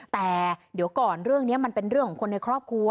แต่เดี๋ยวก่อนเรื่องนี้มันเป็นเรื่องของคนในครอบครัว